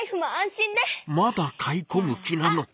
天の声まだ買いこむ気なのか。